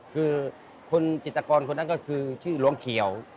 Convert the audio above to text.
คือคนจิตกรคนนั้นเขาชื่อหลวงเขียว